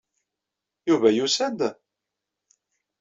Yuba yusa-d?